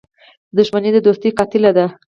• دښمني د دوستۍ قاتله ده.